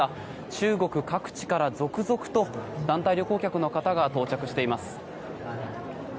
中国各地から続々と団体旅行客の方が到着しています。